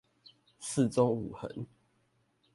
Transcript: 四縱五橫